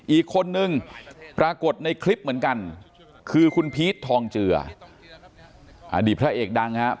อีกคนนึงปรากฏในคลิปเหมือนกันคือคุณพีชทองเจืออดีตพระเอกดังครับ